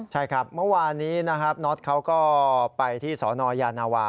ใช่ครับเมื่อวานนี้นะครับน็อตเขาก็ไปที่สนยานาวา